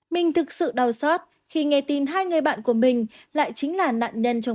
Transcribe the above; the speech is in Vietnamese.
mình thực sự đau xót khi nghe tin hai người bạn của mình lại chính là nạn nhân trong